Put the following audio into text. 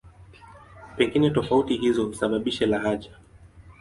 Pengine tofauti hizo husababisha lahaja.